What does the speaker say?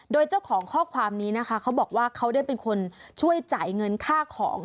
โดยเจ้าของข้อความนี้นะคะเขาบอกว่าเขาได้เป็นคนช่วยจ่ายเงินค่าของ